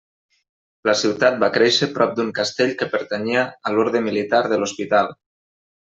La ciutat va créixer prop d'un castell que pertanyia a l'orde militar de l'Hospital.